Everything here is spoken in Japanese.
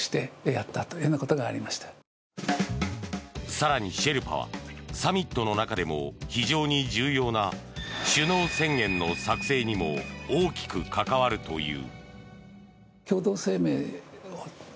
更に、シェルパはサミットの中でも非常に重要な首脳宣言の作成にも大きく関わるという。